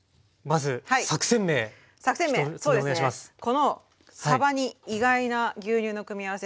このさばに意外な牛乳の組み合わせ。